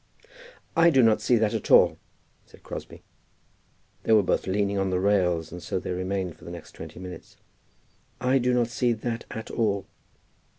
"I do not see that at all," said Crosbie. They were both leaning on the rails, and so they remained for the next twenty minutes. "I do not see that at all."